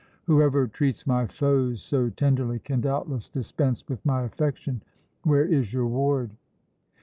"Whoever treats my foes so tenderly can doubtless dispense with my affection. Where is your ward?"